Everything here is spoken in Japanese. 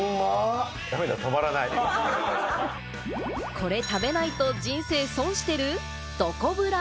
これ食べないと人生損してる？